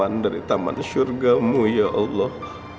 dan jadikan dari taman syurga mu ya allah